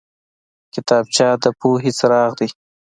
کتابچه د پوهې څراغ دی